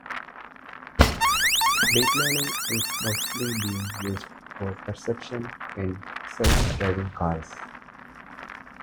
Deep Learning is mostly being used for perception in self driving cars.